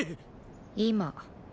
今。